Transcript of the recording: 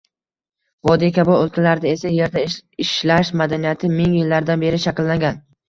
Vodiy kabi o‘lkalarda esa yerda ishlash madaniyati ming yillardan beri shakllangan